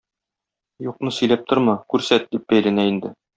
Юкны сөйләп торма, күрсәт, - дип бәйләнә инде.